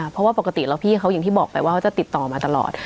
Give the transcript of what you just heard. เพราะว่าปกติแล้วพี่เขาอย่างที่บอกไปว่าเขาจะติดต่อมาตลอด